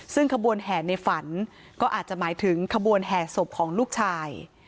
ซึ่งขบวนแห่ในฝันก็อาจจะหมายถึงขบวนแห่ศพของลูกชาย